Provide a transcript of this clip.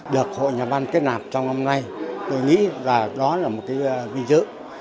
được hội nhà văn kết nạp trong năm nay tôi nghĩ là đó là một cái binh dự